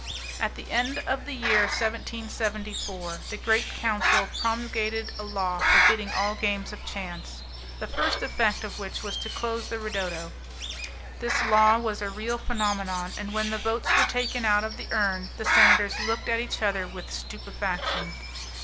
At the end of the year 1774 the Great Council promulgated a law forbidding all games of chance, the first effect of which was to close the 'ridotto'. This law was a real phenomenon, and when the votes were taken out of the urn the senators looked at each other with stupefaction.